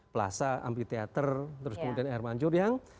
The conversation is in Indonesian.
plaza ampli teater terus kemudian air mancur yang